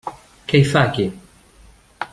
Què hi fa aquí?